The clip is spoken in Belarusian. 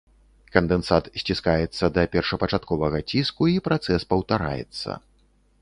Кандэнсат сціскаецца да першапачатковага ціску і працэс паўтараецца.